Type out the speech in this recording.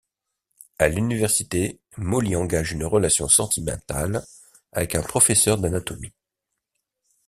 À l'université, Molly engage une relation sentimentale avec un professeur d'anatomie.